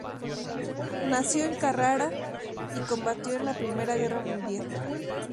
Nació en Carrara, y combatió en la Primera Guerra Mundial.